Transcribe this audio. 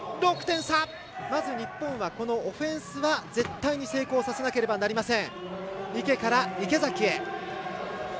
まず日本はオフェンスは絶対に成功させなければいけません。